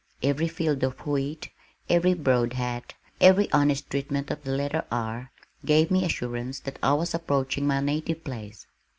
Every field of wheat, every broad hat, every honest treatment of the letter "r" gave me assurance that I was approaching my native place.